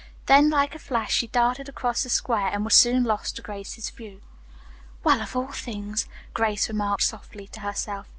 Then, like a flash, she darted across the square and was soon lost to Grace's view. "Well, of all things!" Grace remarked softly to herself.